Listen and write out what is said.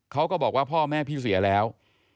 เขาก็บอกว่าพ่อแม่พี่เสียแล้ว